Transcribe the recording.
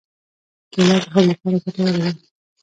کېله د خوب لپاره ګټوره ده.